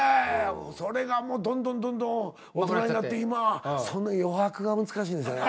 それがもうどんどんどんどん大人になって今「その余白が難しいですよね」